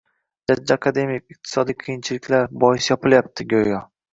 «Jajji akademik» «iqtisodiy qiyinchiliklar» bois yopilyapti, go‘yo.